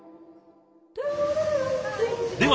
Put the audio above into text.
では